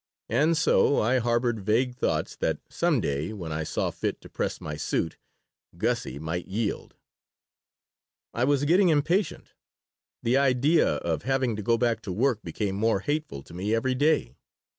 And so I harbored vague thoughts that some day, when I saw fit to press my suit, Gussie might yield I was getting impatient. The idea of having to go back to work became more hateful to me every day.